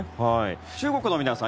中国の皆さん